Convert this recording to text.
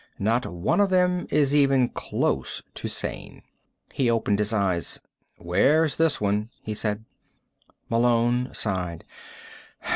Not one of them is even close to sane." He opened his eyes. "Where's this one?" he said. Malone sighed.